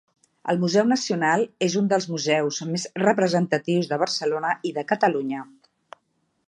El Museu Nacional és un dels museus més representatius de Barcelona i de Catalunya